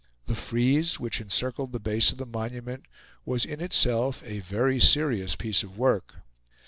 The frieze, which encircled the base of the monument, was in itself a very serious piece of work.